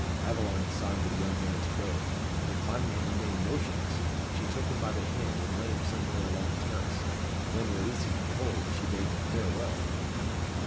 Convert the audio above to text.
Aveline signed to the young man to go; but finding him remain motionless, she took him by the hand, and led him some way along the terrace. Then, releasing her hold, she bade him farewell!